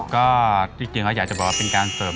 ก็ที่จริงแล้วอยากจะบอกว่าเป็นการเสิร์ฟ